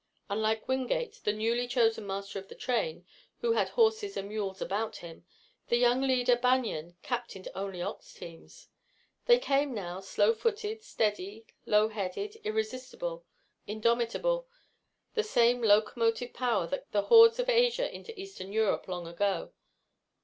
Unlike Wingate, the newly chosen master of the train, who had horses and mules about him, the young leader, Banion, captained only ox teams. They came now, slow footed, steady, low headed, irresistible, indomitable, the same locomotive power that carried the hordes of Asia into Eastern Europe long ago.